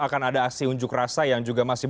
akan ada aksi unjuk rasa yang juga masih